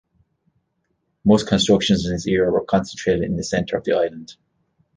Most constructions in this era were concentrated in the centre of the island.